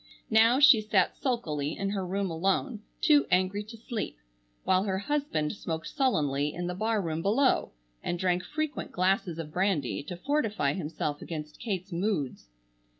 Now she sat sulkily in her room alone, too angry to sleep; while her husband smoked sullenly in the barroom below, and drank frequent glasses of brandy to fortify himself against Kate's moods.